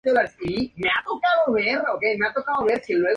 Selección de noticias